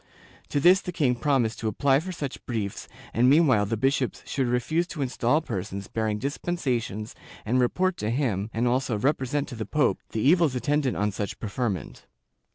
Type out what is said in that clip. To this the king promised to apply for such briefs and meanwhile the bishops should refuse to install persons bearing dispensations and report to him, and also repre sent to the pope the evils attendant on such preferment.